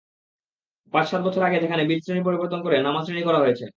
পাঁচ-সাত বছর আগে সেখানে বিল শ্রেণি পরিবর্তন করে নামা শ্রেণি করা হয়েছে।